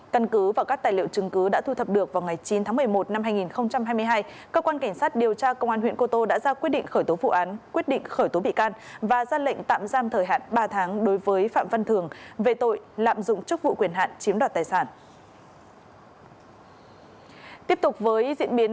căn cứ và các tài liệu chứng cứ đã thu thập được vào ngày chín tháng một mươi một năm hai nghìn hai mươi hai cơ quan cảnh sát điều tra công an huyện cô tô đã ra quyết định khởi tố vụ án quyết định khởi tố bị can và ra lệnh tạm giam thời hạn ba tháng đối với phạm văn thường về tội lạm dụng chức vụ quyền hạn chiếm đoạt tài sản